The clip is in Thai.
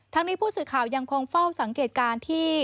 นี้ผู้สื่อข่าวยังคงเฝ้าสังเกตการณ์ที่